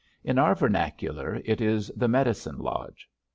In our vernacular it is the medicine lodge.